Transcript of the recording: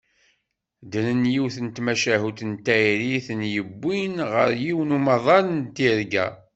Ddren yiwet n tmacahut n tayri i ten-yewwin ɣer yiwen umaḍal n tirga.